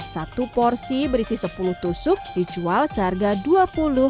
satu porsi berisi sepuluh tusuk dijual seharga dua puluh hingga dua puluh lima ribu rupiah